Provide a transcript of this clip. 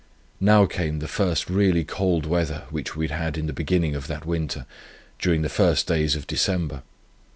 Now came the first really cold weather, which we had in the beginning of that winter, during the first days of December.